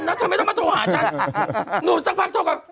แล้วกันนะถ้าไม่ต้องมาโทรหาฉันหนูสักภาพโทรกับ